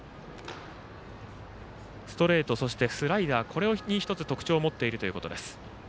ストレート、そしてスライダーこれに１つ特徴を持っているということです。